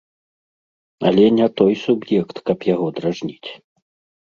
Але не той суб'ект, каб яго дражніць.